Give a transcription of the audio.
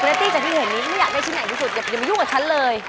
คุณแน็ตตี้สักทีเหตุนี้ไม่อยากได้ชุดไหนที่สุดอย่าไปยุ่งกับฉันเลย